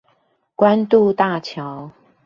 關渡大橋